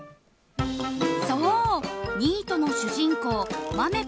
そう、ニートの主人公まめ